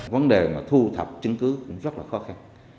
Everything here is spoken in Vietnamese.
vấn đề thu thập chứng cứ rất là khó khăn